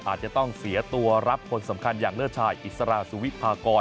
อาจจะต้องเสียตัวรับคนสำคัญอย่างเลิศชายอิสราสุวิพากร